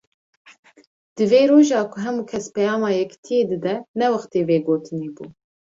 Di vê roja ku hemû kes peyama yekitiyê dide, ne wextê vê gotinê bû.